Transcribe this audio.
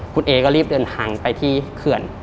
คุณเอก็รีบเดินทางไปที่เขื่อน